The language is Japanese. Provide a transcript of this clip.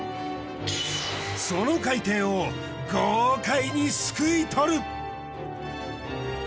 その海底を豪快にすくい取る。